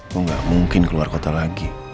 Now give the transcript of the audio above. kok nggak mungkin keluar kota lagi